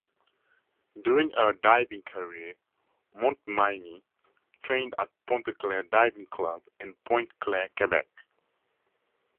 During her diving career, Montminy trained at Pointe-Claire Diving Club in Pointe-Claire, Quebec.